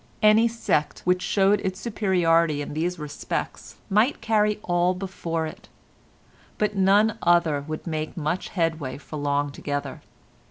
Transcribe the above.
Any sect which showed its superiority in these respects might carry all before it, but none other would make much headway for long together.